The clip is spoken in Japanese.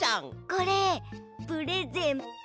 これプレゼント。